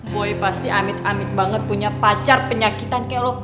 boy pasti amit amit banget punya pacar penyakitan kelo